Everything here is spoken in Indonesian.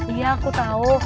iya aku tau